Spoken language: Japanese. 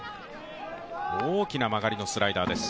大きな曲がりのスライダーです。